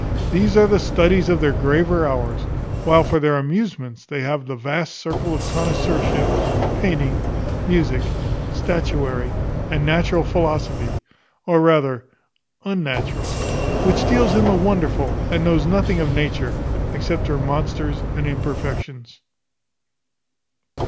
These are the studies of their graver hours, while for their amusements they have the vast circle of connoisseurship, painting, music, statuary, and natural philosophy, or rather unnatural, which deals in the wonderful, and knows nothing of Nature, except her monsters and imperfections.